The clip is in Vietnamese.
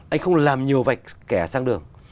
anh không làm nhiều vạch kẻ sang đường